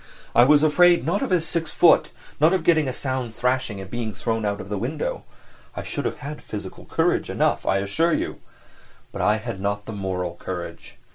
I was afraid not of his six foot, not of getting a sound thrashing and being thrown out of the window; I should have had physical courage enough, I assure you; but I had not the moral courage.